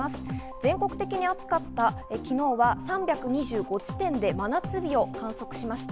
全国的に暑かった昨日は、３２５地点で真夏日を観測しました。